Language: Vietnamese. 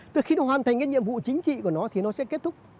từ khi nó hoàn thành cái nhiệm vụ chính trị của nó thì nó sẽ kết thúc